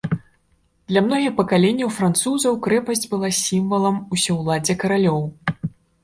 Для многіх пакаленняў французаў крэпасць была сімвалам усеўладдзя каралёў.